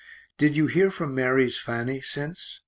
Did you hear from Mary's Fanny since?